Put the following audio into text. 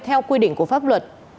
theo quy định của pháp luật